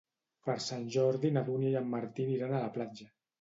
Per Sant Jordi na Dúnia i en Martí aniran a la platja.